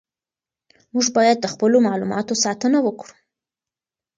موږ باید د خپلو معلوماتو ساتنه وکړو.